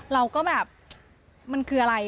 เราก็แบบมันคืออะไร